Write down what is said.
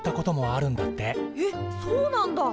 えっそうなんだ！